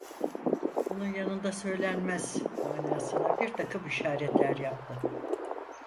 "Bunun yanında söylenmez!" manasına birtakım işaretler yaptı.